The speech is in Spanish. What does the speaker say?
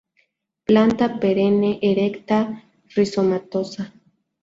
Planta perenne, erecta, rizomatosa.